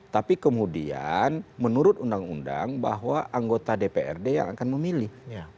tapi kemudian menurut undang undang bahwa anggota dprd yang akan memilih